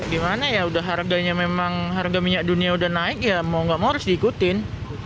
gimana ya udah harganya memang harga minyak dunia udah naik ya mau gak mau harus diikutin